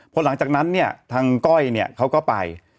พอหลังจากนั้นเนี่ยทางก้อยเนี่ยเขาก็ไป